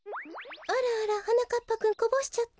あらあらはなかっぱくんこぼしちゃった？